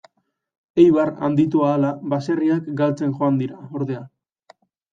Eibar handitu ahala, baserriak galtzen joan dira, ordea.